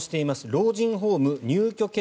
老人ホーム入居権